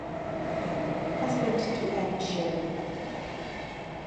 Husband to Ann Sherman.